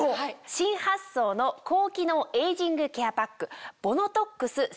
新発想の高機能エイジングケアパック。